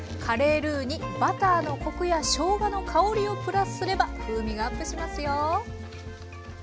カレールーにバターのコクやしょうがの香りをプラスすれば風味がアップしますよ。